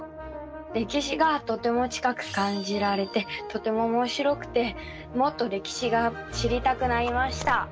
歴史がとても近く感じられてとてもおもしろくてもっと歴史が知りたくなりました。